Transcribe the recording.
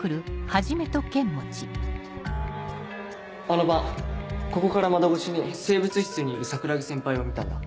あの晩ここから窓越しに生物室にいる桜樹先輩を見たんだ。